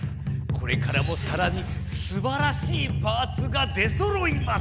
これからもさらにすばらしいパーツが出そろいます！